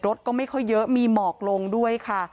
รถก็ไม่ค่อยเยอะมีหมอกลงด้วยค่ะ